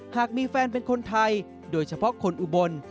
หากมีแฟนเป็นคนไทยโดยเฉพาะคนอุบล